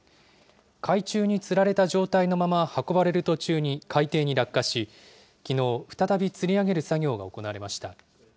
海中につられた状態のまま運ばれる途中に海底に落下し、きのう、再びつり上げる作業が行われました。